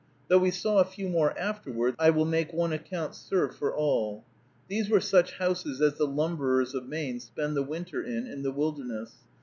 Though we saw a few more afterwards, I will make one account serve for all. These were such houses as the lumberers of Maine spend the winter in, in the wilderness.